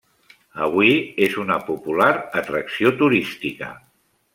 Avui és una popular atracció turística.